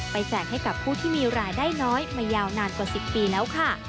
แจกให้กับผู้ที่มีรายได้น้อยมายาวนานกว่า๑๐ปีแล้วค่ะ